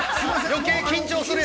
◆余計緊張するやん。